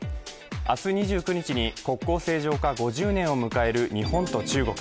明日２９日に国交正常化５０年を迎える日本と中国。